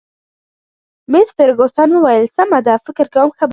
مس فرګوسن وویل: سمه ده، فکر کوم ښه به وي.